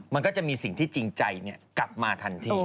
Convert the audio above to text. มันก็จะมีสิ่งที่จริงใจกลับมาทันที